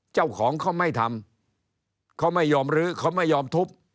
เจ้าของเขาไม่ทำเขาไม่ยอมลื้อเขาไม่ยอมทุบ